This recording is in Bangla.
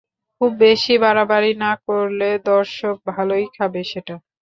খুব বেশি বাড়াবাড়ি না করলে দর্শক ভালোই খাবে সেটা।